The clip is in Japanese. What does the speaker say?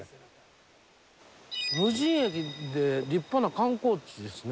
無人駅で立派な観光地ですね。